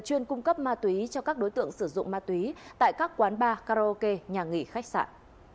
chuyên cung cấp ma túy cho các đối tượng sử dụng ma túy tại các quán bar karaoke nhà nghỉ khách sạn